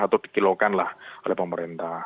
atau dikilaukanlah oleh pemerintah